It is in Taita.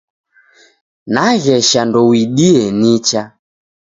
Nagesha ndouidie nicha.